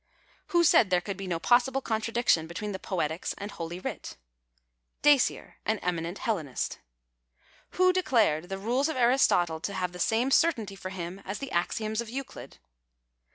Who said there could be no j)Ossiblc contradiction between the Poetics and Holy Writ ? Dacier, an eminent Hellenist. Who declared the rules of Aristotle to have the same certainty for him as the axioms of Euclid